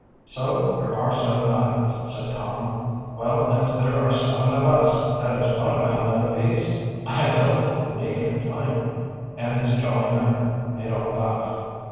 "So there are seven islands," said Tom. "Well, as there are seven of us, that is one island apiece. I don't think we need complain," and his jolly manner made all laugh.